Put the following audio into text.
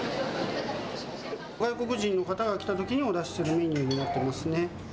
外国人の方が来たときにお出しするメニューになってますね。